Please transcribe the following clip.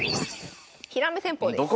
ひらめ戦法です。